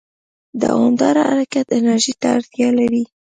دوامداره حرکت انرژي ته اړتیا لري.